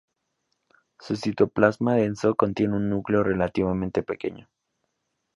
Su citoplasma denso contiene un núcleo relativamente pequeño.